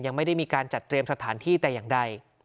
ยังไม่ได้มีการจัดเตรียมสถานที่แต่อย่างใด